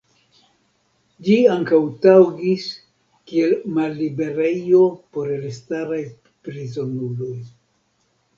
Ĝi ankaŭ taŭgis kiel malliberejo por elstaraj prizonuloj.